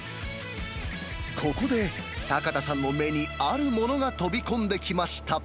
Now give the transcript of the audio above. ここで、坂田さんの目にあるものが飛び込んできました。